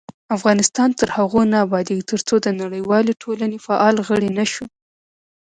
افغانستان تر هغو نه ابادیږي، ترڅو د نړیوالې ټولنې فعال غړي نشو.